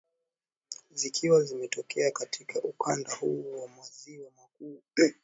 zikiwa zimetokea katika ukanda huu wa maziwa makuu